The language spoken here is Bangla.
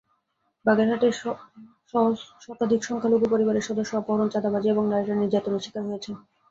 বাগেরহাটে শতাধিক সংখ্যালঘু পরিবারের সদস্য অপহরণ, চাঁদাবাজি এবং নারীরা নির্যাতনের শিকার হয়েছেন।